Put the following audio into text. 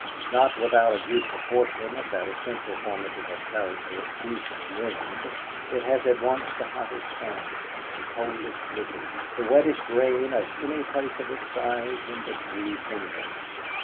Not without a due proportion of that essential formative of character, east wind, it has at once the hottest sun, the coldest blizzards, the wettest rain, of any place of its size in the "three kingdoms."